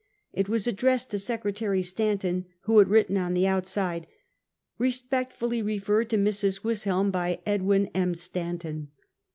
It was addressed to Secretary Stanton, who had written on the outside: " Eespectfully referred to Mrs. Swisshelm, by Ed win M. Stanton."